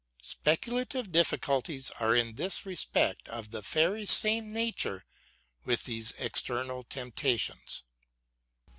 ... Speculative difficulties are in this respect of the very same nature vsdth these external temptations.